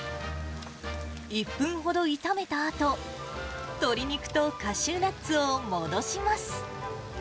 １分ほど炒めたあと、鶏肉とカシューナッツを戻します。